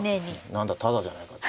何だタダじゃないかと。